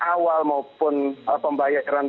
awal maupun pembayaran